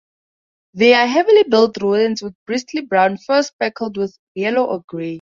They are heavily built rodents, with bristly brown fur speckled with yellow or grey.